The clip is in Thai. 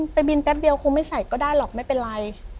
ไปบินแป๊บเดียวคงไม่ใส่ก็ได้หรอกไม่เป็นไร